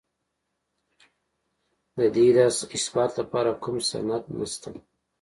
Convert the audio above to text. د دې ادعا د اثبات لپاره کوم سند نشته